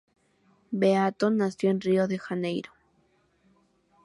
Beato nació en Río de Janeiro.